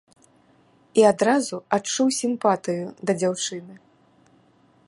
І адразу адчуў сімпатыю да дзяўчыны.